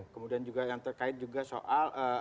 kemudian juga yang terkait juga soal